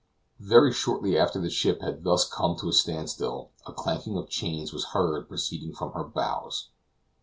Very shortly after the ship had thus come to a stand still a clanking of chains was heard proceeding from her bows.